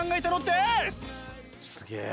すげえ。